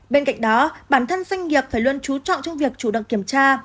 bên cạnh đó bản thân doanh nghiệp phải luôn trú trọng trong việc chủ động kiểm tra